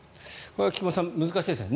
菊間さん、難しいですね。